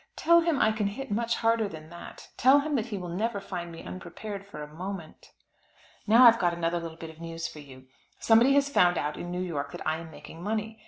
Tell him I can hit much harder than that; tell him that he will never find me unprepared, for a moment." Now I have got another little bit of news for you. Somebody has found out in New York that I am making money.